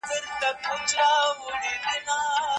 پولیس باید د پېښې ځای په دقت وپلټي.